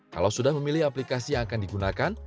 kalau sudah memilih aplikasi yang akan digunakan